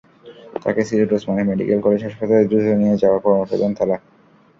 তাঁকে Sylhet Osmani medical college হাসপাতালে দ্রুত নিয়ে যাওয়ার পরামর্শ দেন তাঁরা।